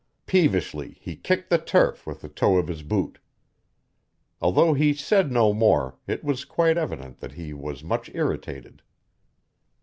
Peevishly he kicked the turf with the toe of his boot. Although he said no more, it was quite evident that he was much irritated.